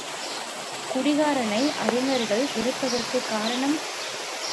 குடிகாரனை அறிஞர்கள் வெறுப்பதற்குக் காரணம்.